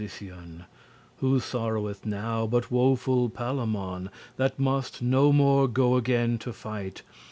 *the bargain Who sorroweth now but woful Palamon That must no more go again to fight?